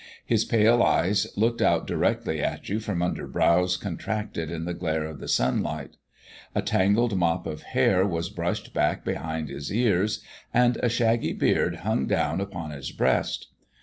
His pale eyes looked out directly at you from under brows contracted in the glare of the sunlight. A tangled mop of hair was brushed back behind his ears, and a shaggy beard hung down upon his breast.